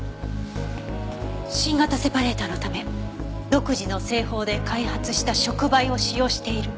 「新型セパレータのため独自の製法で開発した触媒を使用している」